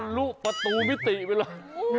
หลุประตูมิติไว้แล้ว